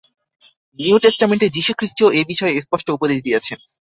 New টেস্টামেণ্টে যীশুখ্রীষ্টও এ-বিষয়ে স্পষ্ট উপদেশ দিয়াছেন।